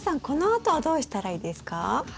このあとはどうしたらいいですか？